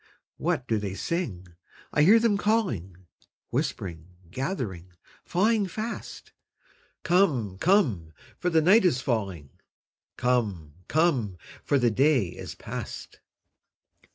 What do they sing? I hear them calling, Whispering, gathering, flying fast, 'Come, come, for the night is falling; Come, come, for the day is past!'